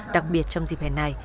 đặc biệt trong dịp hẹn này